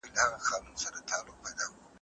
د بریا امتیازات یوازي لایقو ته نه سي منسوبېدلای.